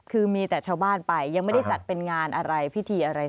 คือมีแต่ชาวบ้านไปยังไม่ได้จัดเป็นงานอะไรพิธีอะไร